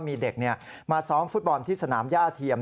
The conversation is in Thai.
มีเด็กมาซ้อมฟุตบอลที่สนามย่าเทียม